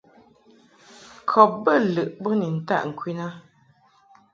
Kɔb bə lɨʼ bo ni ntaʼ ŋkwin a.